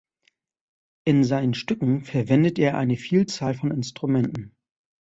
In seinen Stücken verwendet er eine Vielzahl von Instrumenten.